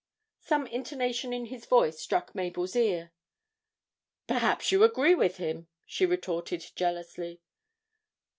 Some intonation in his voice struck Mabel's ear. 'Perhaps you agree with him?' she retorted jealously.